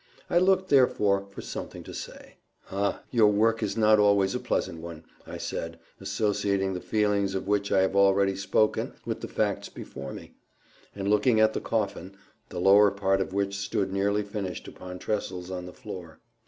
I looked therefore for something to say. "Ah! your work is not always a pleasant one," I said, associating the feelings of which I have already spoken with the facts before me, and looking at the coffin, the lower part of which stood nearly finished upon trestles on the floor.